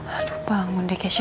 aduh bangun deh keisha